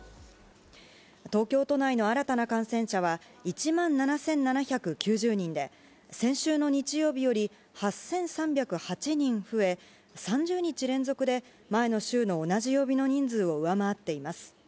東京都内の新たな感染者は、１万７７９０人で、先週の日曜日より８３０８人増え、３０日連続で前の週の同じ曜日の人数を上回っています。